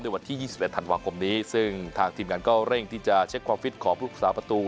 วันที่๒๑ธันวาคมนี้ซึ่งทางทีมงานก็เร่งที่จะเช็คความฟิตของผู้ศึกษาประตู